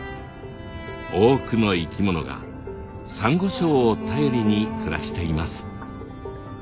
多くの生き物がサンゴ礁を頼りに暮らしています。